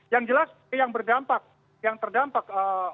yang jelas yang berdampak yang terdampak